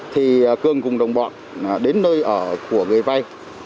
thì cường cùng đồng bọn đến nơi ở của người vay